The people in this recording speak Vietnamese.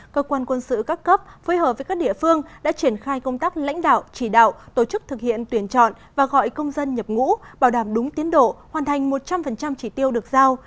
cơ quan quân sự các cấp phối hợp với các địa phương đã triển khai công tác lãnh đạo chỉ đạo tổ chức thực hiện tuyển chọn và gọi công dân nhập ngũ bảo đảm đúng tiến độ hoàn thành một trăm linh chỉ tiêu được giao